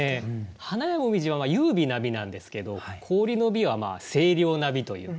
花や紅葉は優美な美なんですけど氷の美は清涼な美というか。